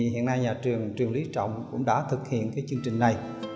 hiện nay nhà trường trường lý trọng cũng đã thực hiện chương trình này